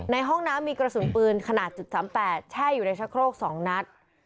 ในห้องน้ำมีกระสุนปืนขนาด๓๘แช่อยู่ในชะโครก๒นัด